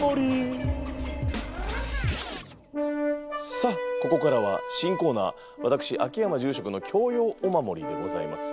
さあここからは新コーナー私「秋山住職の教養お守り」でございます。